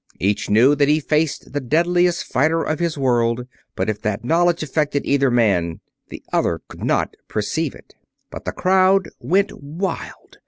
Each knew that he faced the deadliest fighter of his world; but if that knowledge affected either man, the other could not perceive it. But the crowd went wild.